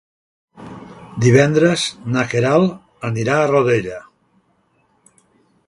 Divendres na Queralt anirà a Godella.